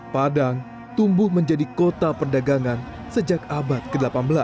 padang tumbuh menjadi kota perdagangan sejak abad ke delapan belas